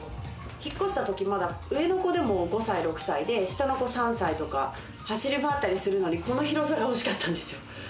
引っ越したとき、まだ上の子、５歳６歳で、下の子３歳とか、走り回ったりするのにこの広さが欲しかったんですよ。